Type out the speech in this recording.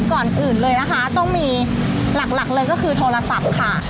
ก่อนอื่นต้องมีหลักเลยคือโทรศัพท์